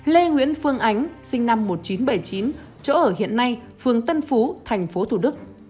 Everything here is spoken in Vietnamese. lê nguyễn phương ánh sinh năm một nghìn chín trăm bảy mươi chín chỗ ở hiện nay phường tân phú tp thủ đức